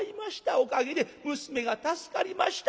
おかげで娘が助かりました。